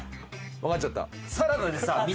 分かっちゃった？